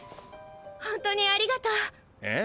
本当にありがとう。ああ。